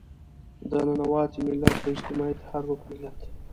د ننواتې ملت، د اجتماعي تحرک ملت.